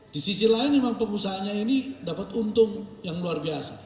di sisi lain memang pengusahanya ini dapat untung yang luar biasa